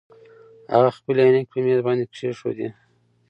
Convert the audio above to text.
هغه خپلې عینکې په مېز باندې کېښودې.